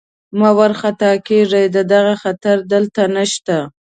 مه وارخطا کېږئ، د دغه خطر دلته نشته.